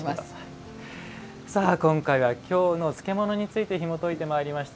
今回は「京の漬物」についてひもといてまいりました。